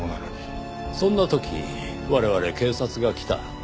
そんな時我々警察が来た。